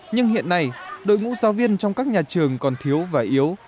nhưng hiện nay đội ngũ giáo viên trong các nhà trường còn thiếu và yếu